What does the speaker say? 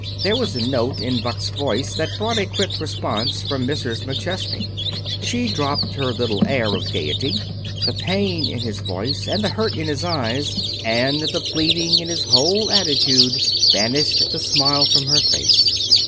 There was a note in Buck's voice that brought a quick response from Mrs. McChesney. She dropped her little air of gayety. The pain in his voice, and the hurt in his eyes, and the pleading in his whole attitude banished the smile from her face.